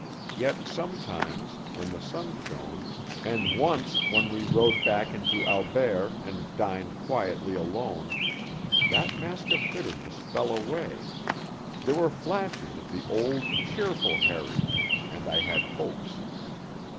Yet sometimes, when the sun shone, and once when we rode back into Albert and dined quietly alone, that mask of bitterness fell away; there were flashes of the old cheerful Harry, and I had hopes.